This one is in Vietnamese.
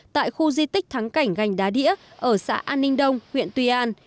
tại khu di tích thắng cảnh gành đá đĩa ở xã an ninh đông huyện tuy an